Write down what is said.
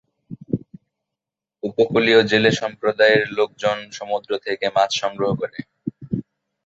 উপকূলীয় জেলে সম্প্রদায়ের লোকজন সমুদ্র থেকে মাছ সংগ্রহ করে।